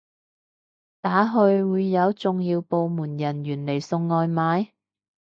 打去會有重要部門人員嚟送外賣？